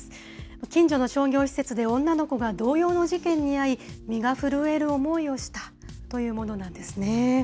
近所の商業施設で女の子が同様の事件に遭い、身が震える思いをしたというものなんですね。